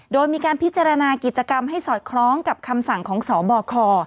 โดยมีการพิจารณากิจกรรมให้สอดคล้องกับคำสั่งของสบค